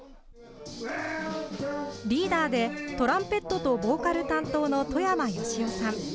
リーダーで、トランペットとボーカル担当の外山喜雄さん。